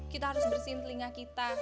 kita harus bersihin telinga kita